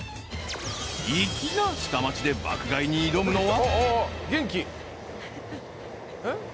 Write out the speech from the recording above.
［粋な下町で爆買いに挑むのは］